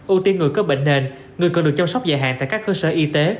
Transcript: ưu tiên người có bệnh nền người cần được chăm sóc dài hạn tại các cơ sở y tế